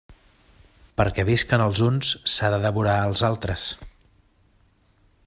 Perquè visquen els uns, s'ha de devorar els altres.